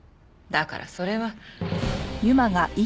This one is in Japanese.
だからそれは。